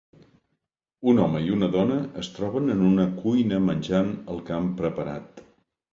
Un home i una dona es troben en una cuina menjant el que han preparat.